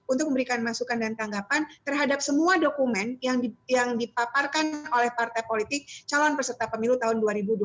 untuk memberikan masukan dan tanggapan terhadap semua dokumen yang dipaparkan oleh partai politik calon peserta pemilu tahun dua ribu dua puluh